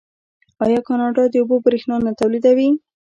آیا کاناډا د اوبو بریښنا نه تولیدوي؟